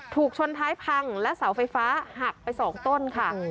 ถูกชนท้ายพังและเสาไฟฟ้าหักไป๒ต้นค่ะ